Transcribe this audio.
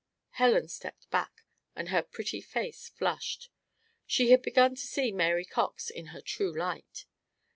Helen stepped back and her pretty face flushed. She had begun to see Mary Cox in her true light.